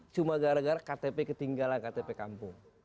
cuma gara gara ktp ketinggalan ktp kampung